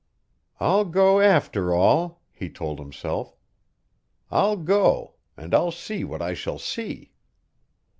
"I'll go, after all," he told himself. "I'll go and I'll see what I shall see."